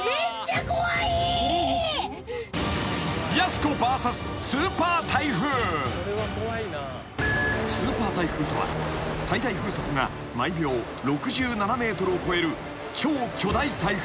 ［スーパー台風とは最大風速が毎秒６７メートルを超える超巨大台風］